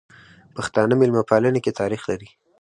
پښتانه ميلمه پالنې کی تاریخ لري.